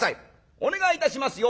お願いいたしますよ！」。